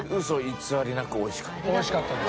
美味しかったです。